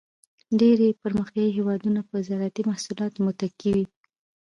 ډېری پرمختیایي هېوادونه په زراعتی محصولاتو متکی وي.